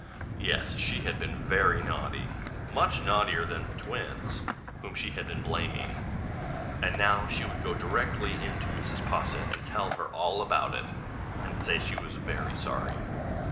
Yes, she had been very naughty, much naughtier than the twins, whom she had been blaming; and now she would go directly in to Mrs. Posset and tell her all about it, and say she was very sorry.